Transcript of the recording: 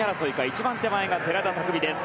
一番手前が寺田拓未。